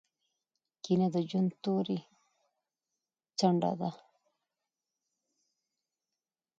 کینه د ژوند توري څنډه ده.